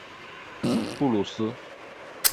布鲁斯。